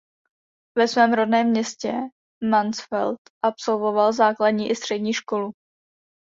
Ve svém rodném městě Mansfeld absolvoval základní i střední školu.